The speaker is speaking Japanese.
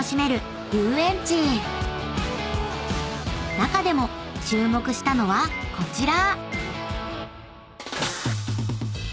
［中でも注目したのはこちら］